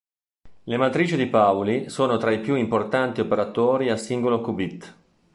Le matrici di Pauli sono tra i più importanti operatori a singolo qubit.